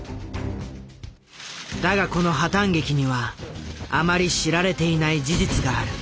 だがこの破たん劇にはあまり知られていない事実がある。